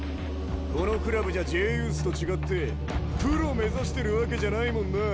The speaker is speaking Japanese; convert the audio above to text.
このクラブじゃＪユースと違ってプロ目指してるわけじゃないもんな。